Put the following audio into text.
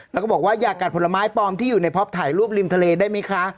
แล้วก็บอกว่าอย่ากัดผลไม้ปลอมที่อยู่ในพ็อปถ่ายรูปริมทะเลได้ไหมคะ